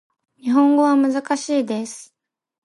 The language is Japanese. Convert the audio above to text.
日本語は難しいです